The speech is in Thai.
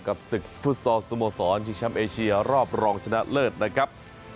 กับศึกฟุตซอลสโมสรชิงแชมป์เอเชียรอบรองชนะเลิศนะครับ